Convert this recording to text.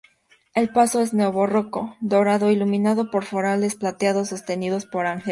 El paso es neobarroco, dorado, e iluminado por faroles plateados sostenidos por ángeles.